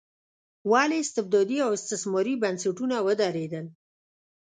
ولې استبدادي او استثماري بنسټونه ودرېدل.